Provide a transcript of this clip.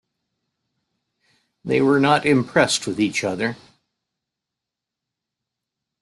They were not impressed with each other.